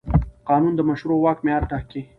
قانون د مشروع واک معیار ټاکي.